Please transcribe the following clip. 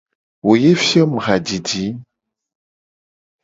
Wo ye fio mu hajiji.